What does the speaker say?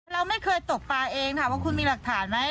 เราไม่เคยตกปลาเองถามว่าคุณมีหลักฐานไหม